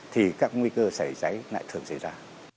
thì các nguy cơ cháy cháy lại thường xảy ra